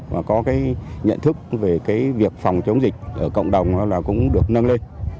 và có nhận thức về việc phòng chống dịch ở cộng đồng cũng được nâng lên